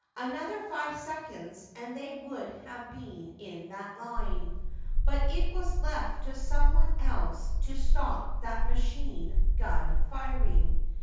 Another five seconds and they would have been in that line ; but it was left to some one else to stop that machine gun firing.